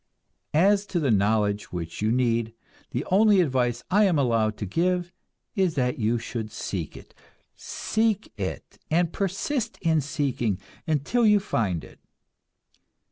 As to the knowledge which you need, the only advice I am allowed to give is that you should seek it. Seek it, and persist in seeking, until you find it.